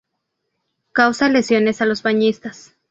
Causa lesiones a los bañistas.